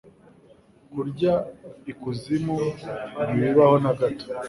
Kurya ikuzimu ntibibaho nagato